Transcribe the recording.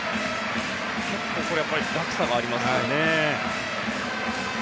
結構落差もありますよね。